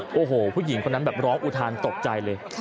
อาจออกไปเขียนอันนั้นแบบล้องอุทานตกใจเลย